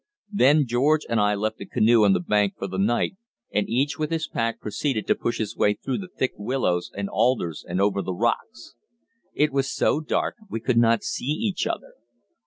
Then George and I left the canoe on the bank for the night, and each with his pack proceeded to push his way through the thick willows and alders and over the rocks. It was so dark we could not see each other.